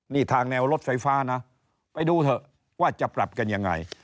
นี่ทางแนวรถไฟฟ้านะ